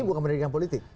ini bukan pendidikan politik